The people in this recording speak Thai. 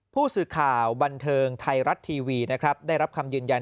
ผู้สื่อข่าวบันเทิงไทยรัฐทีวีนะครับได้รับคำยืนยัน